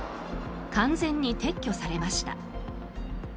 完全に撤去されました。